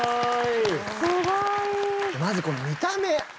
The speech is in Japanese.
まずこの見た目。